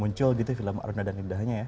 muncul gitu film aruna dan indahnya ya